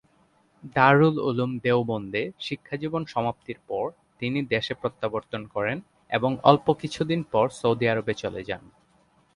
দারুল উলুম দেওবন্দে শিক্ষাজীবন সমাপ্তির পর তিনি দেশে প্রত্যাবর্তন করেন এবং অল্প কিছুদিন পর সৌদি আরবে চলে যান।